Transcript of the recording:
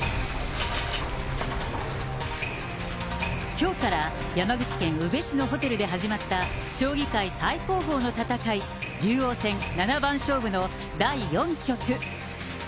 きょうから山口県宇部市のホテルで始まった、将棋界最高峰の戦い、竜王戦七番勝負の第４局。